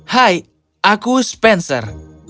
hai aku spencer